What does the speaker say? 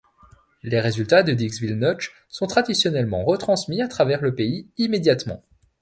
Les résultats de Dixville Notch sont traditionnellement retransmis à travers le pays immédiatement.